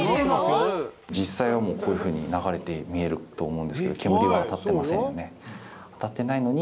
実際はもうこういうふうに流れて見えると思うんですけど煙は当たってませんよね。